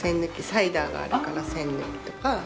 サイダーがあるから栓抜きとか。